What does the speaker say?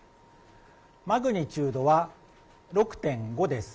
マグニチュードは６．５です。